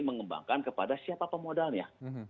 mengembangkan kepada siapa pemodalnya